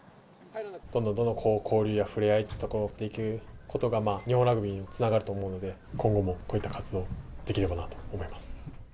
どんどんどんどん交流やふれあいをやっていくことが、日本ラグビーにつながると思うので、今後もこういった活動をできればなと思います。